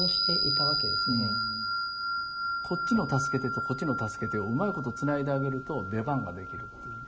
こっちの「助けて」とこっちの「助けて」をうまいことつないであげると出番ができるっていう。